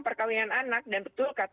perkawinan anak dan betul betul anaknya